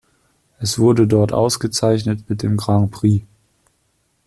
Es wurde dort ausgezeichnet mit dem Grand Prix.